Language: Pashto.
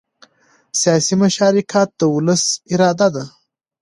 سیاسي مشارکت د ولس اراده ده